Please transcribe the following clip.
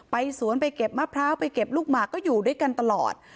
สวนไปเก็บมะพร้าวไปเก็บลูกหมากก็อยู่ด้วยกันตลอด